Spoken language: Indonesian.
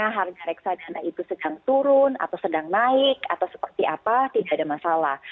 harga reksadana itu sedang turun atau sedang naik atau seperti apa tidak ada masalah